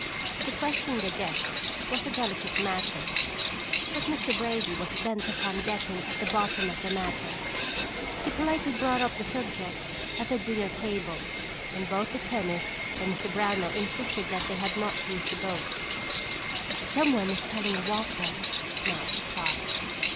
To question the guests was a delicate matter, but Mr. Brady was bent upon getting at the bottom of the matter. He politely brought up the subject at the dinner table, and both the chemist and Mr. Brownell insisted that they had not used the boat. "Someone is telling a whopper," Madge thought.